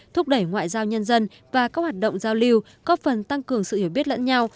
thúc đẩy ngoại giao nhân dân và các hoạt động giao lưu góp phần tăng cường sự hiểu biết lẫn nhau